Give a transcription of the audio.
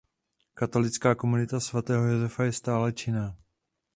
Katolická komunita svatého Josefa je stále činná.